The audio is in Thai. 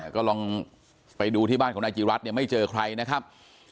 ก็ลองไปดูที่บ้านของนายจีรัฐเนี่ยไม่เจอใครนะครับ